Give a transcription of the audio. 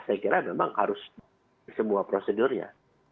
saya kira memang harus semua prosedurnya